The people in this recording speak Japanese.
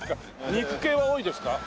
肉系は多いですか？